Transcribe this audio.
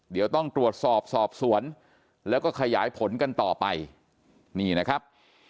เดี๋ยวต้องตรวจสอบสอบสวนแล้วก็ขยายผลกันต่อไปนี่นะครับ